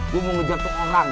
gue mau ngejar tuh orang